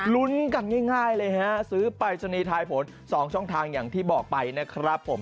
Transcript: ลุ้นกันง่ายเลยฮะซื้อปรายศนีย์ทายผล๒ช่องทางอย่างที่บอกไปนะครับผม